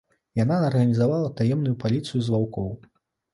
Яна арганізавала таемную паліцыю з ваўкоў.